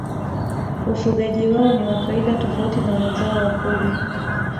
Ufugaji wao ni wa kawaida tofauti na wenzao Wakurya